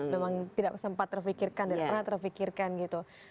memang tidak sempat terfikirkan dan pernah terfikirkan gitu